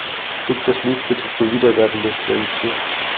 Füg das Lied bitte zur Wiedergabeliste hinzu.